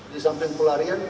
di samping pelarian